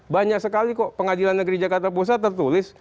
banyak sekali kok pengadilan negeri jakarta pusat tertulis